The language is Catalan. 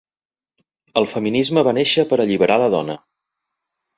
El feminisme va néixer per a alliberar la dona.